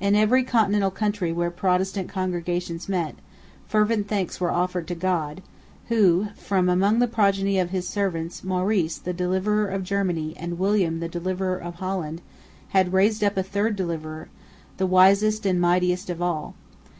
In every Continental country where Protestant congregations met, fervent thanks were offered to God, who, from among the progeny of His servants, Maurice, the deliverer of Germany, and William, the deliverer of Holland, had raised up a third deliverer, the wisest and mightiest of all.